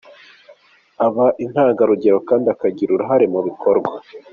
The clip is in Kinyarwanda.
Aba intangarugero kandi akagira uruhare mu bikorwa.